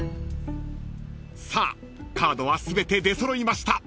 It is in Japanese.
［さあカードは全て出揃いました］